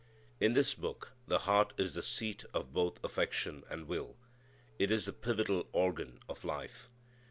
In this Book the heart is the seat of both affection and will. It is the pivotal organ of life.